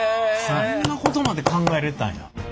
そんなことまで考えられてたんや。